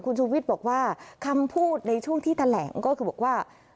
คุณชูวิทย์บอกว่าคำพูดในช่วงที่แถลงก็คือบอกว่า